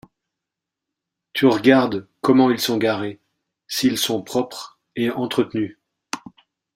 Tu regardes comment ils sont garés, s’ils sont propres et entretenus